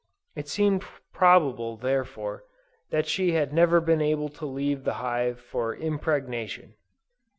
It seemed probable, therefore, that she had never been able to leave the hive for impregnation.